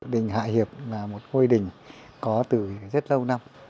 đình hạ hiệp là một ngôi đình có từ rất lâu năm